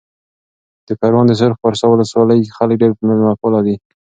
د پروان د سرخ پارسا ولسوالۍ خلک ډېر مېلمه پاله دي.